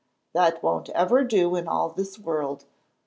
"That wouldn't ever do in all this world."